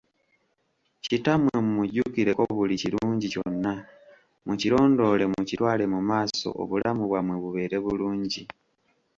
Kittamwe mu mujjukireko buli kirungi kyonna mu kirondoole mukitwale mumaaso obulamu bwammwe bubeere bulungi.